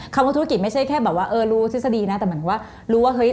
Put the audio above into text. คำว่าธุรกิจไม่ใช่แค่แบบว่าเออรู้ทฤษฎีนะแต่เหมือนว่ารู้ว่าเฮ้ย